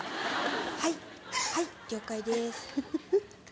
はいはい了解です。